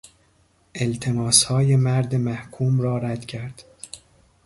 التماسهای مرد محکوم را رد کرد.